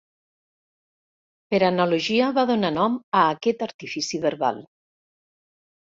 Per analogia va donar nom a aquest artifici verbal.